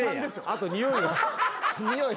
あとにおい。